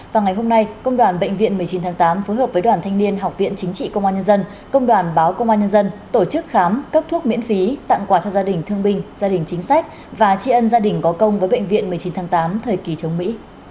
và ngày hôm nay công đoàn bệnh viện một mươi chín tháng tám phối hợp với đoàn thanh niên học viện chính trị công an nhân dân công đoàn báo công an nhân dân tổ chức khám cấp thuốc miễn phí tặng quà cho gia đình thương binh gia đình chính sách và tri ân gia đình có công với bệnh viện một mươi chín tháng tám thời kỳ chống mỹ